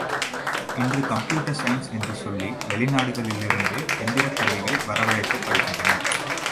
இன்று computer science என்று சொல்லி வெளிநாடுகளிலிருந்து எந்திரக் கருவிகள் வரவழைக்கப்படுகின்றன.